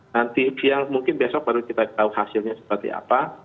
nanti siang mungkin besok baru kita tahu hasilnya seperti apa